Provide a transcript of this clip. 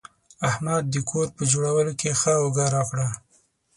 احمد د کور په جوړولو کې ښه اوږه راکړه.